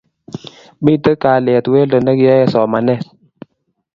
Mito kalyet weldo ne kiyoen somanet